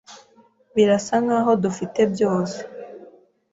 Birasa nkaho dufite byose.